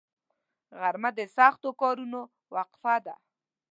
غرمه د سختو کارونو وقفه ده